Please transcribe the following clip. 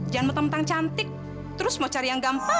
jangan mentang mentang cantik terus mau cari yang gampang